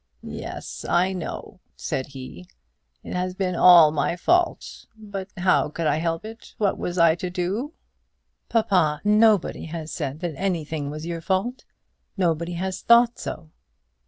"Yes; I know," said he, "it has all been my fault. But how could I help it? What was I to do?" "Papa, nobody has said that anything was your fault; nobody has thought so."